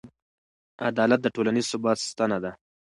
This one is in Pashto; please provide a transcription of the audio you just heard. عدالت د ټولنیز ثبات ستنه ده.